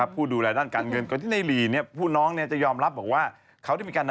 ผู้ดูแลด้านการเงิน